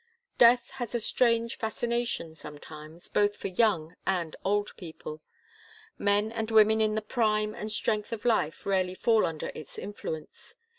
Death has a strange fascination, sometimes, both for young and old people. Men and women in the prime and strength of life rarely fall under its influence.